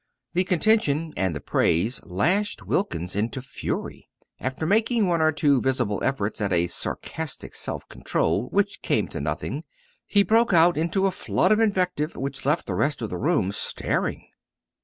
The contention and the praise lashed Wilkins into fury. After making one or two visible efforts at a sarcastic self control which came to nothing, he broke out into a flood of invective which left the rest of the room staring.